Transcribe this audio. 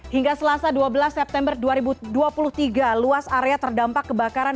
hingga selasa dua belas september dua ribu dua puluh tiga luas area terdampak kebakaran